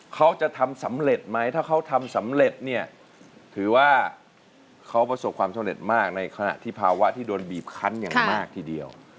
เขาจะทำสำเร็จไหมถ้าเขาทำสำเร็จเนี่ยถือว่าเขาประสบความสำเร็จมากในขณะที่ภาวะที่โดนบีบคันอย่างมากทีเดียว